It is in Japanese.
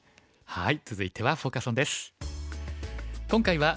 はい。